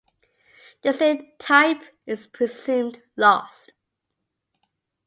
The syntype is presumed lost.